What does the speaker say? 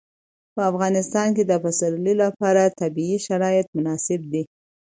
په افغانستان کې د پسرلی لپاره طبیعي شرایط مناسب دي.